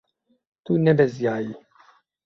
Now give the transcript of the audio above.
Tu nebeziyayî.